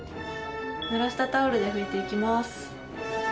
濡らしたタオルで拭いていきます。